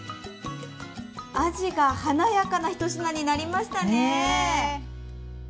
あじが華やかなひと品になりましたね。